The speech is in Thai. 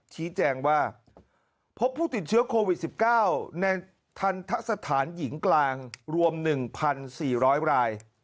ชี้แจงว่าพบผู้ติดเชื้อโควิด๑๙ในทันทะสถานหญิงกลางรวม๑๔๐๐ราย